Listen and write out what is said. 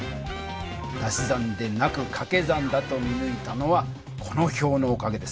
足し算でなくかけ算だと見ぬいたのはこの表のおかげです。